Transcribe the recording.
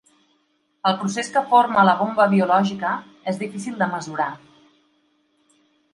El procés que forma la bomba biològica és difícil de mesurar.